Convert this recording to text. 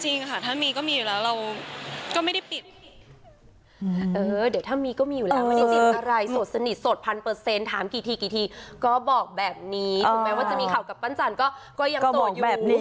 จริงค่ะถ้ามีก็มีอยู่แล้วเราก็ไม่ได้ปิดอะไร